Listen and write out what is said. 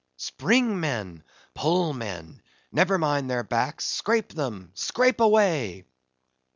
Spring, men—pull, men; never mind their backs—scrape them!—scrape away!"